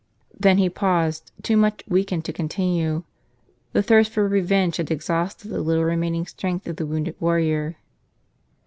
Then he paused, too much weakened to continue. The thirst for revenge had exhausted the little remain 48 " Father , Forgive Them" ing strength of the wounded warrior.